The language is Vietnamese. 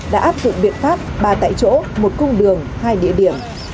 đã áp dụng biện pháp ba tại chỗ một cung đường hai địa điểm